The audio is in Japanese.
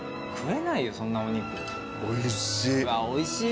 おいしい。